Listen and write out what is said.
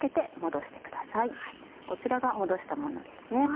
こちらが戻したものですね。